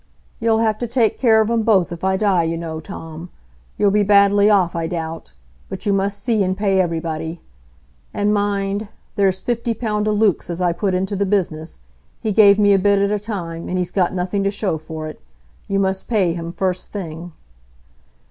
"You'll have to take care of 'em both if I die, you know, Tom. You'll be badly off, I doubt. But you must see and pay everybody. And mind,—there's fifty pound o' Luke's as I put into the business,—he gave me a bit at a time, and he's got nothing to show for it. You must pay him first thing."